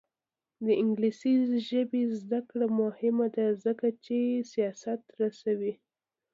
د انګلیسي ژبې زده کړه مهمه ده ځکه چې سیاست رسوي.